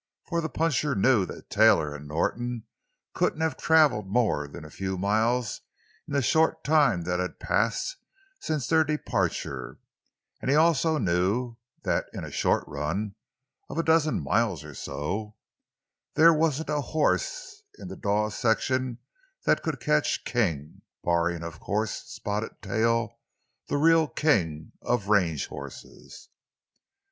For the puncher knew that Taylor and Norton couldn't have traveled more than a few miles in the short time that had passed since their departure; and he knew also that in a short run—of a dozen miles or so—there wasn't a horse in the Dawes section that could catch King, barring, of course, Spotted Tail, the real king of range horses.